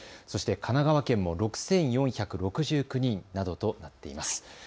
そして神奈川県も６４６９人などとなっています。